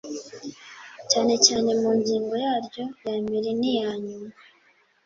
cyane cyane mu ngingo yaryo yambere niya nyuma